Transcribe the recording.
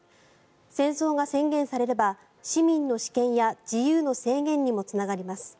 戦争が宣言されれば市民の私権や自由の制限にもつながります。